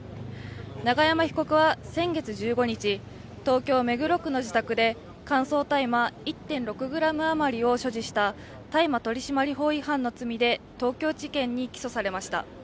永山被告は、先月１５日東京・目黒区の自宅で乾燥大麻１．６ｇ余りを所持した大麻取締法違反の罪で東京地検に起訴されました。